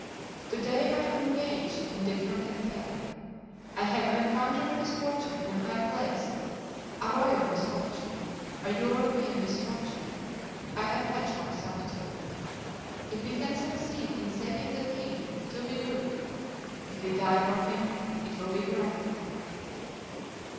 To day I am engaged in a different affair. I have encountered misfortune in a high place, a royal misfortune, a European misfortune; I attach myself to it. If we can succeed in saving the king it will be good; if we die for him it will be grand."